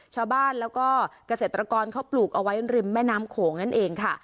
ชาวบ้านแล้วก็เกษตรกรเขาปลูกเอาไว้ริมแม่น้ำโขงนั่นเองค่ะ